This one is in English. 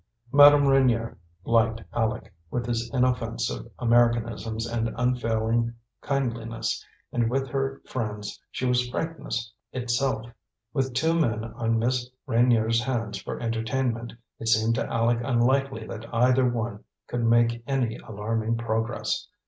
Madame Reynier liked Aleck, with his inoffensive Americanisms and unfailing kindliness; and with her friends she was frankness itself. With two men on Miss Reynier's hands for entertainment, it seemed to Aleck unlikely that either one could make any alarming progress.